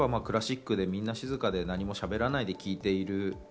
例えばクラシックでみんな静かでしゃべらないで聞いている。